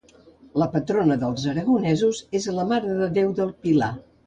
La patrona dels aragonesos és la Mare de Déu del Pilar.